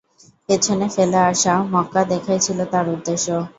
পেছনে ফেলে আসা মক্কা দেখাই ছিল তাঁর উদ্দেশ্য।